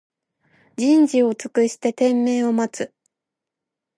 人事を尽くして天命を待つ